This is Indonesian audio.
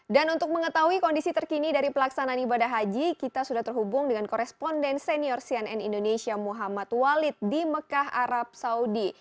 dan untuk mengetahui kondisi terkini dari pelaksanaan ibadah haji kita sudah terhubung dengan koresponden senior cnn indonesia muhammad walid di mekah arab saudi